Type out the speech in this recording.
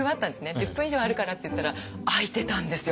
１０分以上あるからって言ったら開いてたんですよ